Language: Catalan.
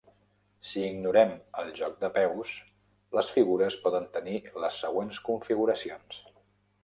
Si ignorem el joc de peus, les figures poden tenir les següents configuracions.